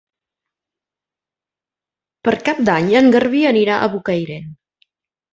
Per Cap d'Any en Garbí anirà a Bocairent.